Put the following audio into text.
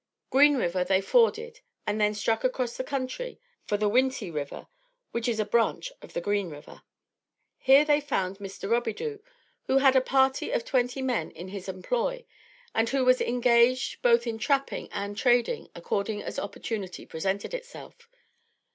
Green River, they forded and then struck across the country for the Winty River which is a branch of the Green River. Here they found Mr. Robidoux who had a party of twenty men in his employ and who was engaged both in trapping and trading according as opportunity presented itself.